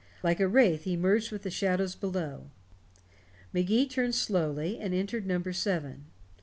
Like a wraith he merged with the shadows below. Magee turned slowly, and entered number seven.